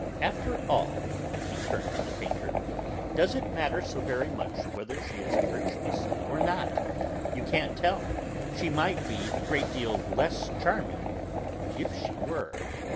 After all," he turned to the painter, "does it matter so very much whether she is virtuous or not? You can't tell; she might be a great deal less charming if she were."